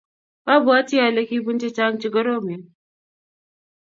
apwati ale kipun chechang chekoromen